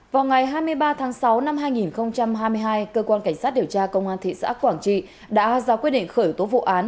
vào ngày hai mươi ba tháng sáu năm hai nghìn hai mươi hai cơ quan cảnh sát điều tra công an thị xã quảng trị đã ra quyết định khởi tố vụ án